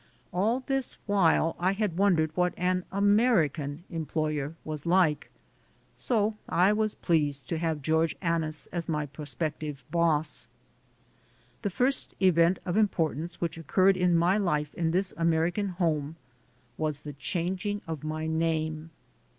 All the while I had wondered what an American em ployer was like. So I was pleased to have George Annis as my prospective "boss." The first event of importance which occurred in my life in this American home was the changing of my name.